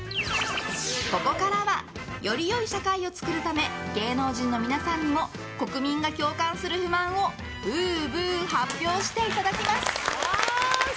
ここからはより良い社会を作るため芸能人の皆さんにも国民が共感する不満をぶうぶう発表していただきます。